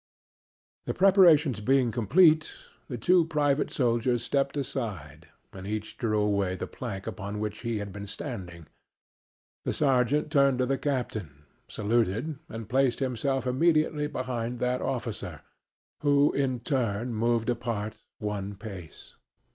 The preparations being complete, the two private soldiers stepped aside and each drew away the plank upon which he had been standing. The sergeant turned to the captain, saluted and placed himself immediately behind that officer, who in turn moved apart one pace.